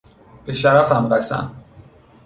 به شرفم قسم!